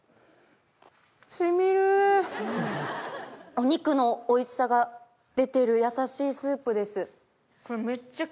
お肉のおいしさが出てるやさしいスープです。